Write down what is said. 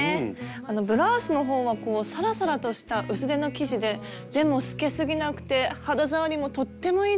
ブラウスのほうはサラサラとした薄手の生地ででも透けすぎなくて肌触りもとってもいいです。